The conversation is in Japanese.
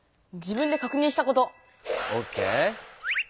オッケー。